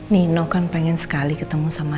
nino kan pengen sekali ketemu sama